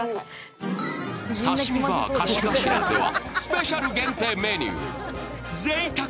刺身ＢＡＲ河岸頭ではスペシャル限定メニューぜいたく！